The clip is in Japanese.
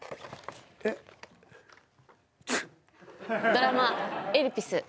ドラマ「エルピス」。